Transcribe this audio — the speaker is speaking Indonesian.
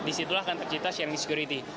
di situlah akan tercipta sharing security